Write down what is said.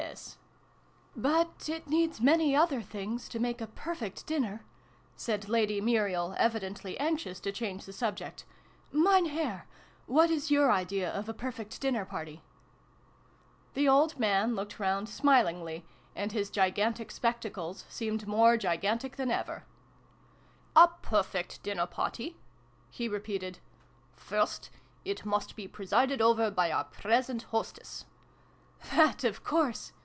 H2 SYLVIE AND BRUNO CONCLUDED. " But it needs many other things to make a perfect dinner !" said Lady Muriel, evidently anxious to change the subject. " Mein Herr ! What is your idea of a perfect dinner party ?" The old man looked round smilingly, and his gigantic spectacles seemed more gigantic than ever. "A perfect dinner party?'' he repeated. " First, it must be presided over by our present hostess !" "That, of course!"